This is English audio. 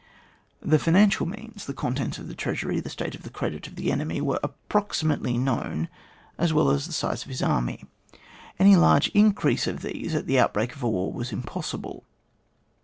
The financial means, the contents of the treasury, the state of credit of the enemy, were approximately known as welLas the size of his army. Any large increase of these at the outbreak of a war was impossible.